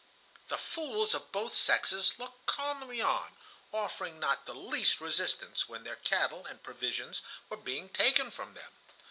The fools of both sexes looked calmly on, offering not the least resistance when their cattle and provisions were being taken from them.